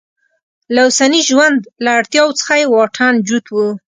له اوسني ژوند له اړتیاوو څخه یې واټن جوت و.